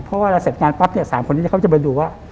เพราะเวลาเสร็จงานปั๊บเนี่ย๓คนนี้เขาจะไปดูว่า